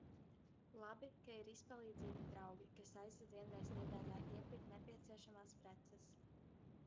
Labi, ka ir izpalīdzīgi draugi, kas aizved vienreiz nedēļā iepirkt nepieciešamās preces.